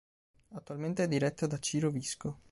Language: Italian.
Attualmente è diretto da Ciro Visco.